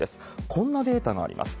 こんなデータがあります。